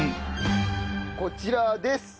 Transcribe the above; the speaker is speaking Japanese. こちらです！